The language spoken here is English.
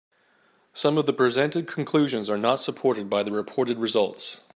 Some of the presented conclusions are not supported by the reported results.